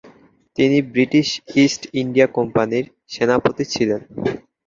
তিনি British East India কোম্পানির সেনাপতি ছিলেন।